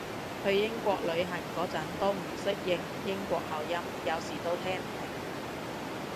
去英國旅行嗰陣都唔適應英國口音，有時都聽唔明